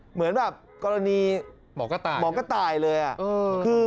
เหมือนแบบกรณีหมอก็ตายเลยอ่ะคือ